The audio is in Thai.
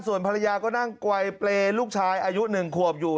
ส่วนภรรยาก็นั่งไกลเปรย์ลูกชายอายุ๑ขวบอยู่